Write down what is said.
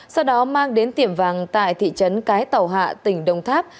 sau đó mang đến tiệm vàng tại thị trấn cái tàu hạ tỉnh đồng tháp